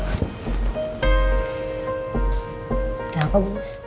ya apa bu